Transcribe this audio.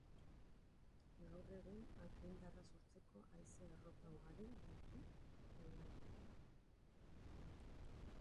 Gaur egun, argindarra sortzeko haize errota ugari ditu gainaldean.